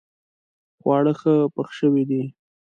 خواړه ښه پخ شوي دي